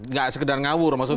nggak sekedar ngawur maksudnya